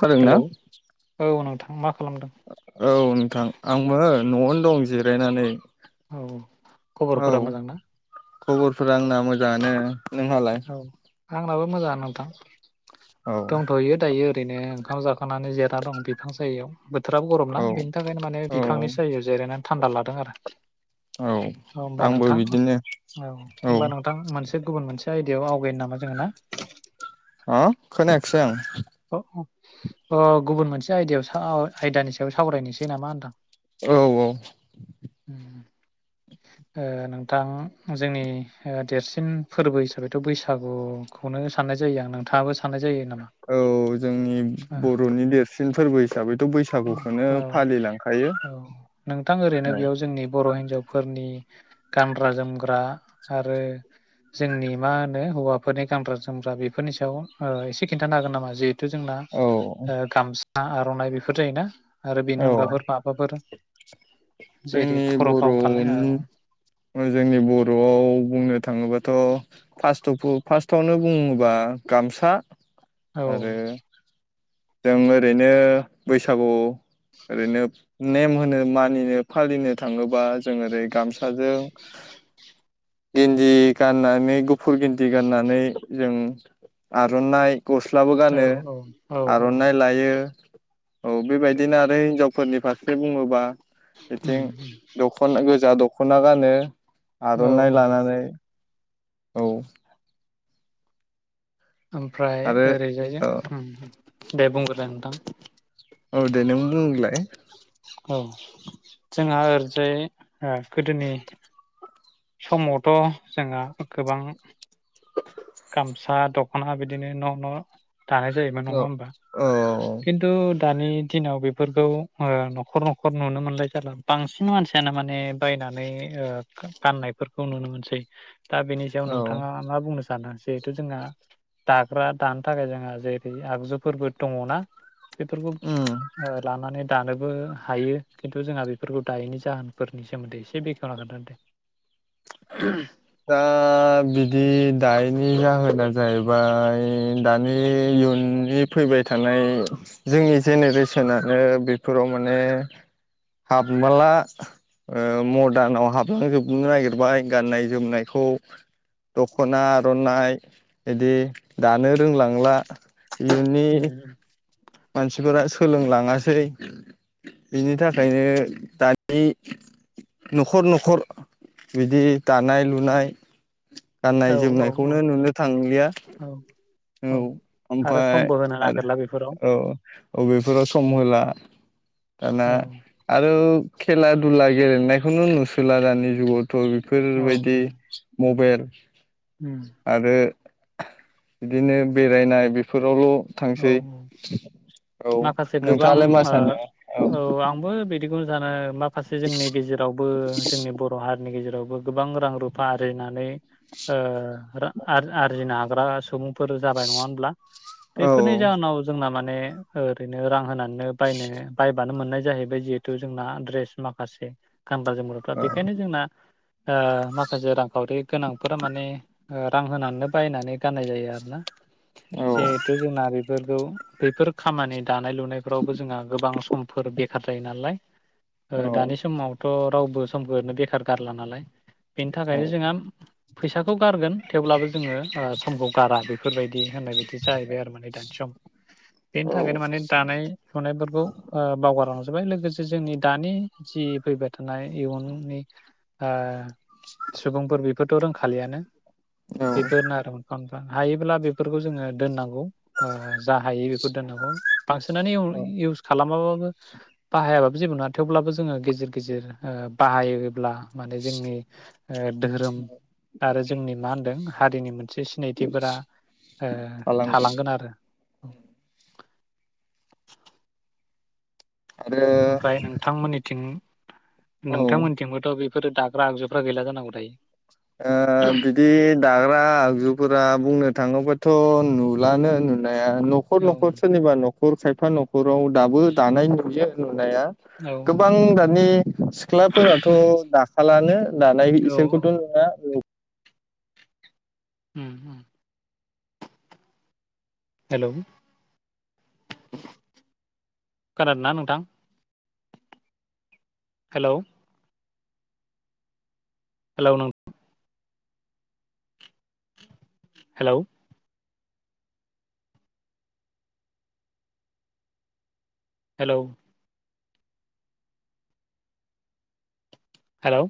खोनादोंना हेलौ औ नोंथां। मा खालामदों औ नोंथां आंबो न'आवनो दं जे रायनानै। औ खबरफोरा मोजां ना? खबरफोरा आंना मोजाङानो। नोंहालाय? माबा मोजां नोंथां? औ दंथ'यो दायो ओरैनो। ओंखाम जाथ खानानै जेराना दं बिफां सायायाव। बोथोराबो गरम ना औ बेनि थाखायनो माने औ बिफांनि सायायाव जिरायना थान्दा लादों आरो। औ होनबा आंबो नोंथां बिदिनो औ होमबा नोंथां मोनसे गुबुन मोनसे बे आयदायाव आवगायनो नामा जोङो ना? अ खोनायाखैसै आं। अ गुबुन मोनसे आयदायाव सा आयदानि सायाव सावरायनोसै नामा होनदां। औ औ। ओ नोंथां जोंनि देरसिन फोरबो हिसाबैथ' बैसागुखौनो साननाय जायो आं नोंथाङाबो साननाय जायो ना औ। औ जोंनि बर'नि देरसिन फोरबो हिसाबैथ बैसागुखौनो ओ औ फालिलांखायो औ नोंथां ओरैनो औ। बेयाव जोंनि बर' हिन्जावफोरनि गानग्रा जोमग्रा आरो जोंनि मा होनो हौवाफोरनि गानग्रा जोमग्रा बेफोरनि सायाव ओ एसे खिन्थानो हागोन नामा? जिहेथु जोंना औ ओ गामसा हा आरनाइ बेफोर जायोना? आरो बेनि औ अनगाफोर माबाफोर जेरै जोंनि खर' बर फाव खालाय औ नु जोंनि बरआव बुंनो थाङोबाथ फार्स्ट अफु फार्स्टआवनो बुङोबा गामसा। आरो जों ओरैनो बैसागु ओरैनोब नेम होनो मानिनो फालिनो थाङोबा जों ओरै गामसाजों गेन्दि गाननानै गुफुर गेन्दि गाननानै जों आरनाइ गस्लाबो औ गानो औ औ औ आरनाइ लायो [unintelligible] औ बेबायदिनो आरो हिनजावफोरनि फारसे बुङोबा बिथिं उम दखना गोजा दख दखना गानो उम औ आरनाय लानानै औ। ओमफ्राय आरो ओरैजाय औ उम दे बुंग्रोलाय नोंथां। औ दे नों बुंग्रोलाय [unintelligible] औ जोंहा ओरैजाय ओ गोदोनि समावथ जोंहा गोबां अना बिदिनो न न थानाय जायोमोन औ नङा होमबा? औ खिन्थु दानि दिनाव बेफोरखौ ओह नखर नखर नुनो मोनलाय जादों बांसिन मानसियानो माने बायनानै ओह गा गाननायफोरखौ नुनो मोनसै। दा बेनि सायाव औ नोंथाङा मा बुंनो सानो? जिहेथु जोंहा दाग्रा दानो थाखाय जोंहा जेरै आगजुफोरबो दङना बेफोरखौ उम ओह लानानै दानोबो हायो खिन्थु जोंहा बेफोरखौ दायैनि जाहोनफोरनि सोमोन्दै एसे बेखेवना खोन्थादो दे दा बिदि दायनि जाहोना जाहैबाय दानि इयुननि फैबाय थानाय जोंनि जेनेरेसनानो बेफोराव माने हाबमाला ओ मडार्नाव हाबलांजोबनो नागिरबाय गाननाय जोमनायखौ दखना आरनाइ बिदि दानो रोंलांला इयुननि उम उम मानसिफोरा सो सोलोंलाङासै बिनि थाखायनो दानि नखर नखर बिदि दानाय लुनाय गाननाय औ जोमनायखौनो नुनो थांलिया। औ औ आरो ओमफाय समबो होनो आरो नागिरला बेफोराव औ औ बेफोराव सम होला दाना औ आरो खेला दुला गेलेन नायखौनो नुसोला दानि जुगावथ थ' औ बेफोरबायदि उम मबाइल [inaudible] आरो बिदिनो बेरायनाय बेफोरावल' औ थांसै औ औ माखासे गोबां नोंथाङालाय मा ओ सानो औ आंबो बिदि खौ जानो माख माखासे जोंनि गेजेरावबो जोंनि बर' हारिनि गेजेरावब गोबां रां रुफा आरिनानै ओ रा आर-आरजिनो हाग्रा सुबु फोर जाबाय नङा होनब्ला? औ बेफोरनि जाहोनाव जों ना माने ओरैनो रां होनानैनो बायनो बायबानो मोननाय जाहैबाय जिहेथु जोंना द्रेस माखासे। गानग्रा जोमग्राफ्रा बेखायनो जोंना ओ माखासे रांखाउरि गोनांफोरा माने ओ रां होनानैनो बायनानै गाननाय जायो आरोना। जिहेथु जोंना औ। बेफोरखौ बेफोर खामानि दानाय लुनायफोरावबो जोंहा गोबां समफोर बेखार जायो नालाय। ओ औ दानि समावथ' रावबो समखौ ओरैनो बेखार गारला नालाय। बेनि औ थाखाय जोंहा फैसाखौ गारगोन थेवब्लाबो जोङो ओ समखौ गारा बेफोरबाय दि होननाय बायदि। जाहैबाय आरो माने दानि सम बेनि औ थाखायनो माने दानाय सनायफोरखौ ओ बावगारलांजोबाय लोगोसे जोंनि दानि जि फैबाय थानाय इयुननि ओ सुबुंफोर बि बेखौथ' रोंखालियानो। औ एफोरनो आरोम गावनि हायोब्ला बेफोरखौ जोङो दोननांग गौ ओ जा हायो बेखौ दोननांगौ। बांसिनानो औ इउन-इउस खालामाबाबो बाहायाबाब जेबो नङा थेवब्लाबो जोङो गेजेर गेजेर बाहायोब्ला माने जोंनि धोरोम आरो जोंनि मा होनदों हारिनि मोनसे सिनायथिफोरा ओ थालांगोन आरो औ आरो ओमफ्राय नोंथांमोननिथिं औ नोंथांमोनथिंबोथ' बे बेफोर दाग्रा आगजुफ्रा गैला जानांगौ दायो? ओ बिदि दाग्रा आगजुफोरा बुंनो थाङोब्ला थ' नुलानो नु नाया न'खर औ नखर सोरनिबा न 'खर खायफा न'खराव दाबो दानाय नुयो आरो दाया औ गोबां दानि सिख्लाफोराथ' दाखाालानो दानाय औ इसोरखौथ' औ उम उम हेलौ खोनादों ना नोंथां। हेलौ हेलै नों हेलौ हेलौ हेलौ